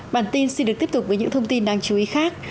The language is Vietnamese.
bản tin xin được tiếp tục với những thông tin đáng chú ý khác